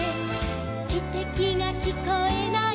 「きてきがきこえない」